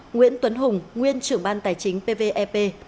nguyễn tuấn hùng nguyên trưởng ban tài chính pvep